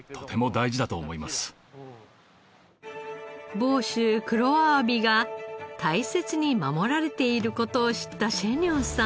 房州黒あわびが大切に守られている事を知ったシェニョンさん。